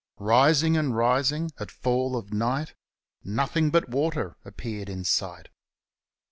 Rising and rising — at fall of night Nothing but water appeared in sight!